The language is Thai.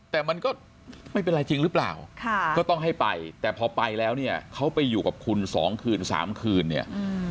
แต่มันก็ไม่เป็นไรจริงหรือเปล่าก็ต้องให้ไปแต่พอไปแล้วเนี่ยเขาไปอยู่กับคุณ๒คืน๓คืนเนี่ย